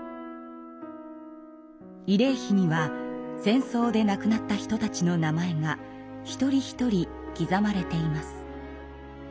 慰霊碑には戦争で亡くなった人たちの名前が一人一人刻まれています。